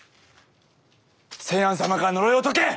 清庵様から呪いを解け！